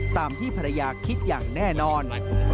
ตามที่ภรรยาคิดอย่างแน่นอน